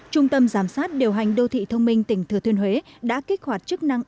trung tâm giám sát điều hành đô thị thông minh tỉnh thừa thiên huế đã kích hoạt chức năng